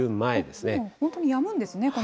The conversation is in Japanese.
本当にやむんですね、